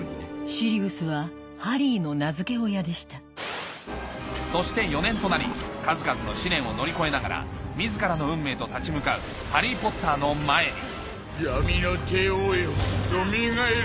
シリウスはハリーの名付け親でしたそして４年となり数々の試練を乗り越えながら自らの運命と立ち向かうハリー・ポッターの前に闇の帝王よよみがえれ。